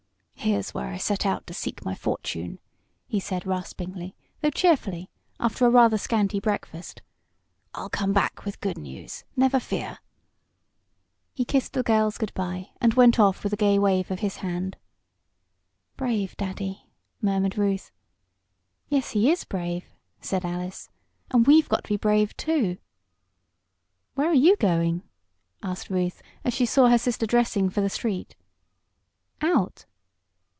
"Here's where I start out to seek my fortune!" he said raspingly, though cheerfully, after a rather scanty breakfast. "I'll come back with good news never fear!" He kissed the girls good bye, and went off with a gay wave of his hand. "Brave daddy!" murmured Ruth. "Yes, he is brave," said Alice "and we've got to be brave, too." "Where are you going?" asked Ruth, as she saw her sister dressing for the street. "Out."